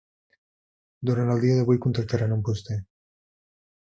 Durant el dia d'avui contactaran amb vostè.